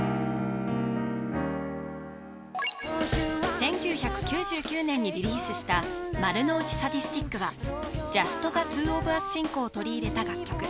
１９９９年にリリースした「丸ノ内サディスティック」はＪｕｓｔＴｈｅＴｗｏｏｆＵｓ進行を取り入れた楽曲